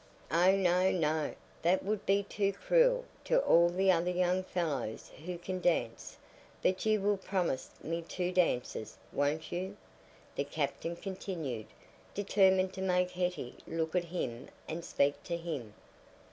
"Oh no, no, that would be too cruel to all the other young fellows who can dance. But you will promise me two dances, won't you?" the captain continued, determined to make Hetty look at him and speak to him.